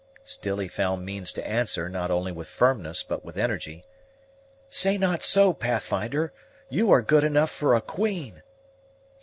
Still he found means to answer not only with firmness, but with energy, "Say not so, Pathfinder; you are good enough for a queen."